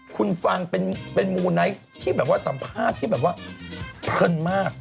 คุณฟังเป็นมุมไนที่สัมภาษณ์เพิ่มมาก